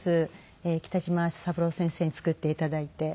北島三郎先生に作って頂いて。